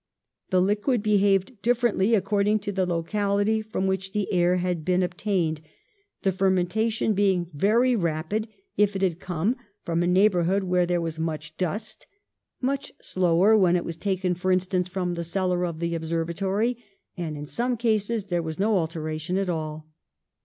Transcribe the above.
The liquid be haved differently, according to the locality from which the air had been obtained, the fermenta tion being very rapid if it had come from a 66 PASTEUR neighbourhood where there was much dust, much slower when it was taken, for instance, from the cellar of the Observatory, and in some cases there was no alteration at all.